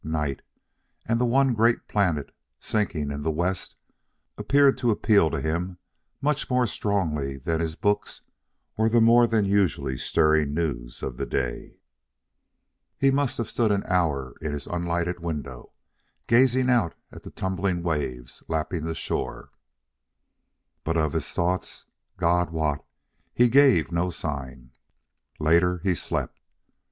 Night, and the one great planet sinking in the West, appeared to appeal to him much more strongly than his books or the more than usually stirring news of the day. He must have stood an hour in his unlighted window, gazing out at the tumbling waves lapping the shore. But of his thoughts, God wot, he gave no sign. Later, he slept.